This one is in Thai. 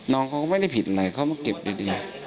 น้องเขาก็ไม่ได้ผิดอะไรเขามาเก็บดี